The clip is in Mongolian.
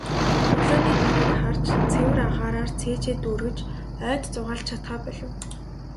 Өглөөний нарыг харж, цэвэр агаараар цээжээ дүүргэж, ойд зугаалж чадахаа болив.